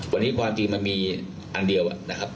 วันนี้ความจริงมันมีอันเดียวนะครับ